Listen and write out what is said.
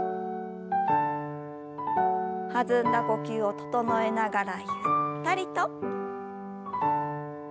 弾んだ呼吸を整えながらゆったりと。